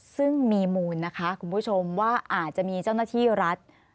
ซึ่งมีมูลนะคะคุณผู้ชมว่าอาจจะมีเจ้าหน้าที่รัฐ